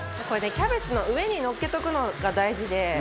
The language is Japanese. これキャベツの上にのっけとくのが大事で。